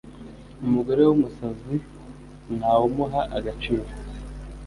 Umugore wumusazi ntawumuha agaciro